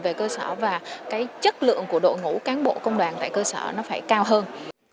về cơ sở và cái chất lượng của đội ngũ cán bộ công đoàn tại cơ sở nó phải cao hơn